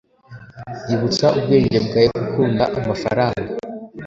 ibutsa ubwenge bwawe gukunda amafaranga